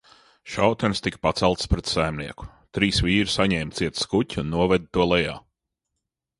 Šautenes tika paceltas pret saimnieku, trīs vīri saņēma ciet skuķi un noveda to lejā.